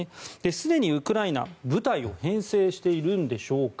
すでにウクライナ、部隊を編成しているのでしょうか。